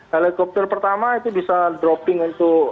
helikopter pertama itu bisa dropping untuk